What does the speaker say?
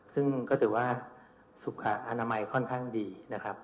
ซึ่งก็ถือว่าสุขธรรมนะไมค์ค่อนข้างที่ดีนะครับ